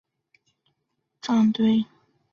这是中国共产党领导的军队中首次组建仪仗队。